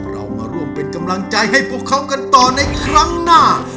เรามาร่วมเป็นกำลังใจให้พวกเขากันต่อในครั้งหน้า